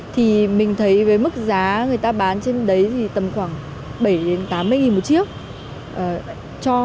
thì mình thấy với mức giá người ta bán trên đấy thì tầm khoảng bảy tám mươi một chiếc